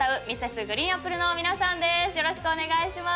よろしくお願いします。